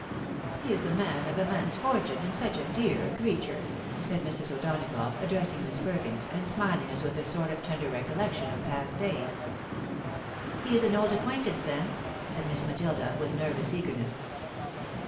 " He is a man of immense fortune, and such a dear creature !" said Mrs. O'Donagough, addressing Miss Perkins, and smiling as with a sort of tender recollection of past days. " He is an old acquaintance, then ?" said Miss Matilda, with nervous eagerness.